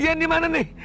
ian dimana nih